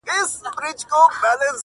تا راته نه ويل چي نه کوم ضديت شېرينې_